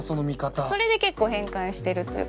それで結構変換してるというか。